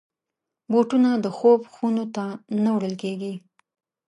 بوټونه د خوب خونو ته نه وړل کېږي.